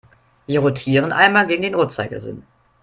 Wir rotieren einmal gegen den Uhrzeigersinn.